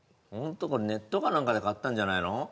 これネットか何かで買ったんじゃないの？